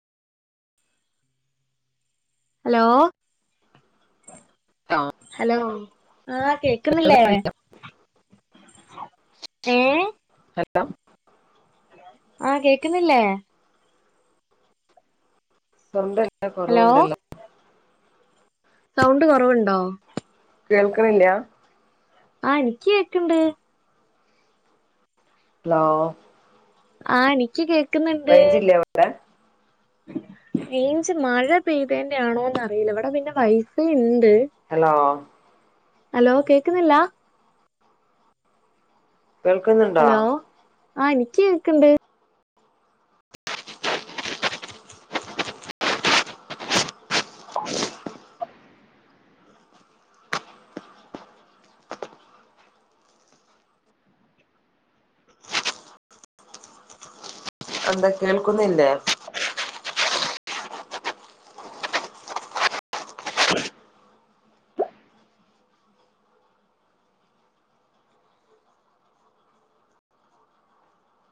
hello hello ആഹ് കേക്ക്ന്ന്ല്ലേ ഏഹ് ഹലാേ ആഹ് കേക്ക്ന്നില്ലേ സൗണ്ടല്ല ഹലോ കാെറവ്ണ്ടല്ലോ സൗണ്ട് കാെറവ്ണ്ടോ കേൾക്ക്ണില്ല്യാ ആഹ് ഇൻക്കി കേക്ക്ണ്ട് ലോ ആഹ് നിക്ക്യ് കേ റെയ്ഞ്ചില്ലെ വ്ടെ റെയ്ഞ്ച് മഴ പെയ്തേന്റെ ആണോന്നറീല വ്ടെ പിന്നെ വൈഫയ്ണ്ട് ഹെലോ ഹലോ കേക്ക്ന്നില്ലാ കേൾക്ക്ന്ന് ഹലോ ആഹ് നിക്ക്യ് കേക്ക്ണ്ട് എന്താ കേൾക്കുന്നില്ലേ